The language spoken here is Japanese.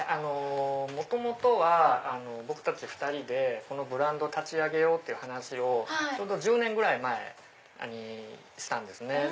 元々は僕たち２人でこのブランド立ち上げようって話を１０年ぐらい前にしたんですね。